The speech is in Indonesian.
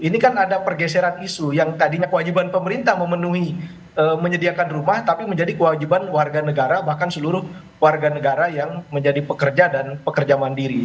ini kan ada pergeseran isu yang tadinya kewajiban pemerintah memenuhi menyediakan rumah tapi menjadi kewajiban warga negara bahkan seluruh warga negara yang menjadi pekerja dan pekerja mandiri